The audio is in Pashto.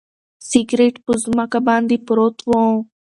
سګرټ په ځمکه باندې پروت و.